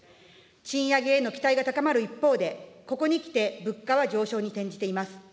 賃上げへの期待が高まる一方で、ここにきて、物価は上昇に転じています。